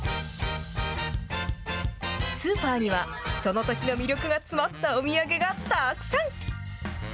スーパーには、その土地の魅力が詰まったお土産がたくさん。